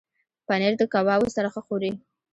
پنېر د کبابو سره ښه خوري.